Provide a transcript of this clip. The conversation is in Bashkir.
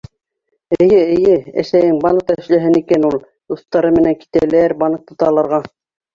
Эйе-эйе, әсәйең банкта эшләһен икән ул. Дуҫтары менән китәләр банкты таларға.